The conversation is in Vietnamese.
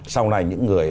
sau này những người